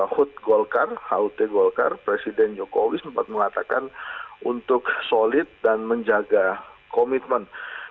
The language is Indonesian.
hut golkar hut golkar presiden jokowi sempat mengatakan untuk solid dan menjaga komitmen